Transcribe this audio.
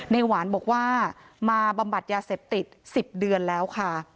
หวานบอกว่ามาบำบัดยาเสพติด๑๐เดือนแล้วค่ะ